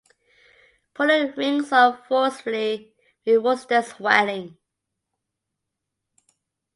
Pulling rings off forcefully may worsen the swelling.